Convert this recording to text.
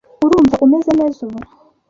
Urumva umeze neza ubu?